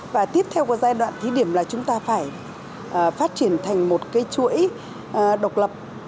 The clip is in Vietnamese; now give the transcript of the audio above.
và tiếp theo có giai đoạn thí điểm là chúng ta phải phát triển thành một cái chuỗi độc lập